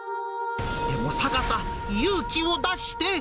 でも坂田、勇気を出して。